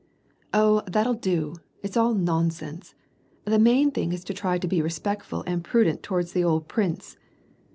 Oh, that'll do ! It's all nonsense. The main thing is to try to be respectful and prudent towards the old prince.